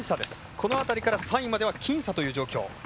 この辺りから３位までは僅差という状況。